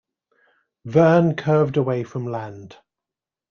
Verne curved away from land.